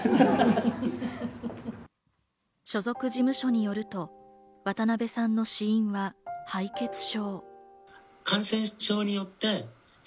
所属事務所によると渡辺さんの死因は敗血症。